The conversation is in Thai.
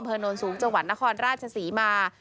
โนนสูงจังหวัดนครราชศรีมา